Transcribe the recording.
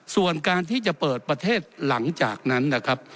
ส่วนการที่จะเปิดประเทศหลังจากนั้นนะครับ